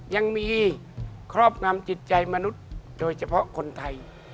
ยังมีครอบงำจิตใจมนุษย์โดยเฉพาะคนไทย